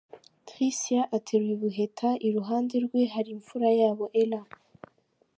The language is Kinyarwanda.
Tricia ateruye ubuheta, iruhande rwe hari imfura y’abo, Ella.